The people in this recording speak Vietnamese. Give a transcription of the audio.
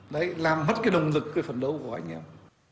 đấy làm mất cái động lực cái phấn đấu của anh em